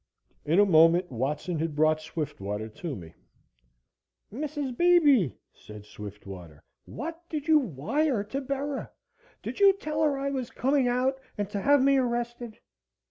In a moment Watson had brought Swiftwater to me. "Mrs. Beebe," said Swiftwater, "what did you wire to Bera? Did you tell her I was coming out and to have me arrested?"